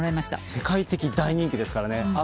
世界的大人気ですから。